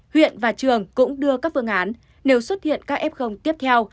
huyện và trường cũng đưa các phương án nếu xuất hiện các f tiếp theo